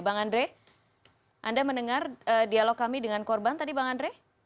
bang andre anda mendengar dialog kami dengan korban tadi bang andre